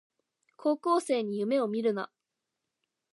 高校生に夢をみるな